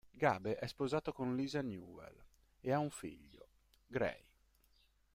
Gabe è sposato con Lisa Newell e ha un figlio, Gray.